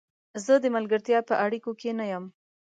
زه د ملګرتیا په اړیکو کې نه یم.